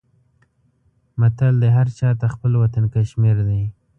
متل دی: هر چاته خپل وطن کشمیر دی.